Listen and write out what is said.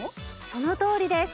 そのとおりです。